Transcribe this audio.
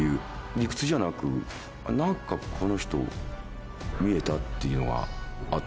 理屈じゃなく何かこの人見えたっていうのがあって。